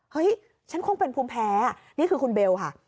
ฉันคงเป็นภูมิแพ้นี่คือคุณเบลค่ะ